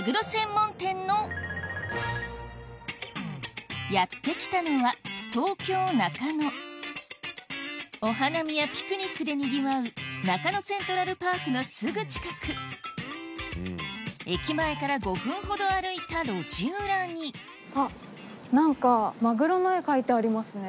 まずはやって来たのは東京・中野お花見やピクニックでにぎわう中野セントラルパークのすぐ近く駅前から５分ほど歩いたあっ何かマグロの絵描いてありますね。